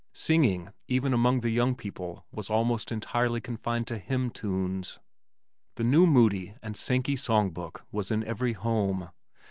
Singing, even among the young people was almost entirely confined to hymn tunes. The new Moody and Sankey Song Book was in every home.